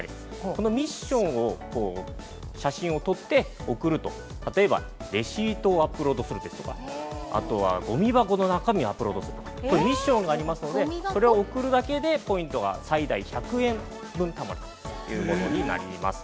このミッションを写真を撮って送ると、例えば、レシートをアップロードするですとか、あとはごみ箱の中身をアップロードするとか、これミッションがありますので、それを送るだけでポイントが最大１００円分たまるということになります。